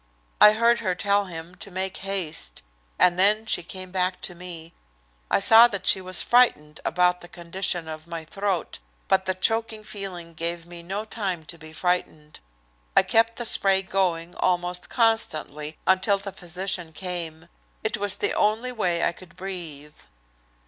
I heard her tell him to make haste, and then she came back to me. I saw that she was frightened about the condition of my throat, but the choking feeling gave me no time to be frightened. I kept the spray going almost constantly until the physician came. It was the only way I could breathe.